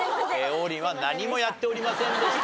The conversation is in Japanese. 王林は何もやっておりませんでした。